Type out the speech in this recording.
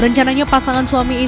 rencananya pasangan suami istri